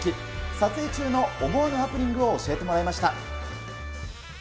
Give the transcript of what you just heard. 撮影中の思わぬハプニングを教えてもらいました。